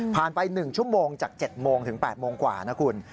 ไป๑ชั่วโมงจาก๗โมงถึง๘โมงกว่านะคุณ